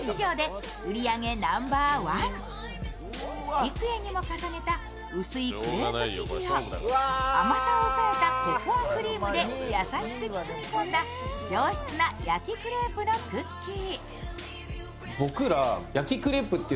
幾重に重ねた薄いクレープ生地を甘さを抑えたココアクリームで優しく包み込んだ上質な焼きクレープのクッキー。